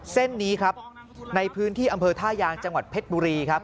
เส้นนี้ครับในพื้นที่อำเภอท่ายางจังหวัดเพชรบุรีครับ